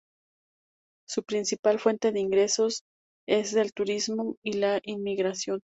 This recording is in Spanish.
Su principal fuente de ingresos es del turismo y la inmigración.